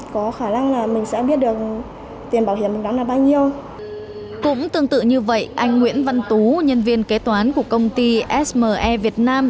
cũng tương tự như vậy anh nguyễn văn tú nhân viên kế toán của công ty sme việt nam